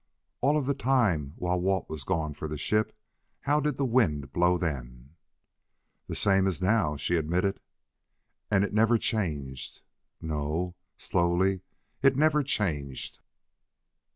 All of the time while Walt was gone for the ship how did the wind blow then?" "The same as now," she admitted. "And it never changed." "No," slowly "it never changed."